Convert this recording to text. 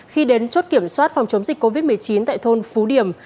khi đến chốt kiểm soát phòng chống dịch covid một mươi chín tại thôn phú điểm